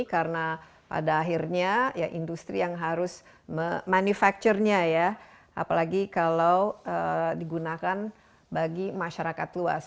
karena pada akhirnya ya industri yang harus manufacturing nya ya apalagi kalau digunakan bagi masyarakat